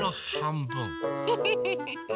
フフフフフ！